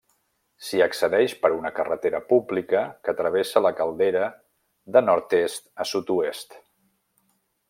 S'hi accedeix per una carretera pública que travessa la caldera de nord-est a sud-oest.